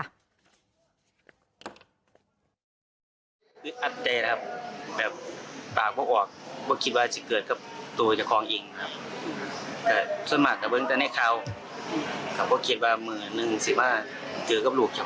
อันนี้มันก็ยังเล็กหน่อยอยู่แค่๑๗ปีแต่อย่างนั้นพี่ตี้ต้อยกัน